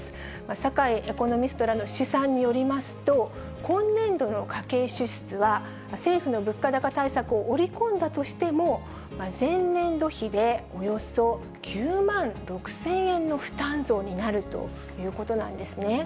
酒井エコノミストらの試算によりますと、今年度の家計支出は、政府の物価高対策を織り込んだとしても、前年度比でおよそ９万６０００円の負担増になるということなんですね。